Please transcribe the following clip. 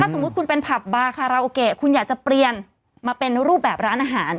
สมมุติคุณเป็นผับบาคาราโอเกะคุณอยากจะเปลี่ยนมาเป็นรูปแบบร้านอาหาร